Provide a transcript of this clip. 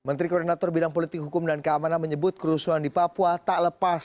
menteri koordinator bidang politik hukum dan keamanan menyebut kerusuhan di papua tak lepas